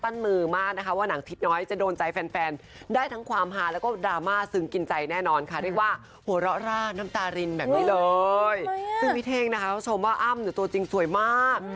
ซึ่งพี่เท่งนะคะเขาชมว่าอ้ำตัวจริงสวยมาก